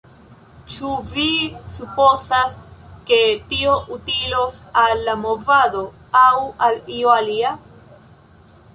Ĉu vi supozas, ke tio utilos al la movado, aŭ al io alia?